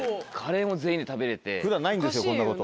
普段ないんですよこんなこと。